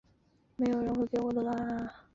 印威内斯一般被看作是高地的首府。